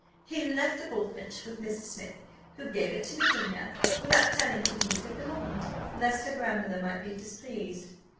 He left a bullfinch with Mrs. Smith, who gave it to Virginia, without telling to whom it had belonged, lest her grandmother might be displeased.